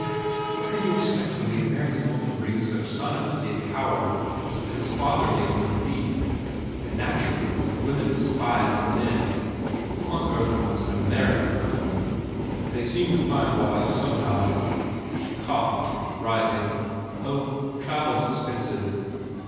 What can you expect when the American woman brings her son up to be a coward and his father makes him a thief? And naturally the women despise the men. Who on earth wants an Amer ican husband?" "They seem to find wives, somehow." She coughed, rising, "Oh, travel s expensive."